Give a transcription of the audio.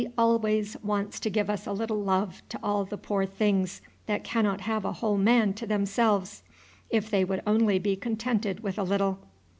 always want to give a little love to all the poor things that cannot have a whole man to themselves. If they would only be contented with a little!